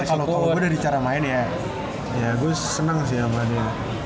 kalau gue dari cara main ya ya gue senang sih sama dia